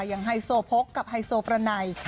อย่างไฮโซพกกับไฮโซประไหน